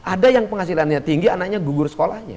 ada yang penghasilannya tinggi anaknya gugur sekolahnya